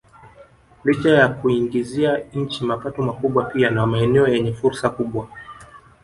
Licha ya kuiingizia nchi mapato makubwa pia ni maeneo yenye fursa kubwa